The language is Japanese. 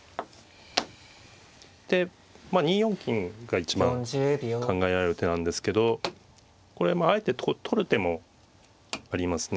で２四金が一番考えられる手なんですけどこれもあえて取る手もありますね。